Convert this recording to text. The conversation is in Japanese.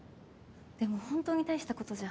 でも本当に大したことじゃ。